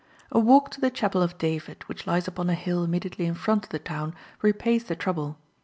A walk to the Chapel of David, which lies upon a hill immediately in front of the town, repays the trouble.